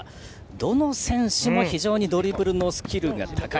どの選手も非常にドリブルスキルが高い。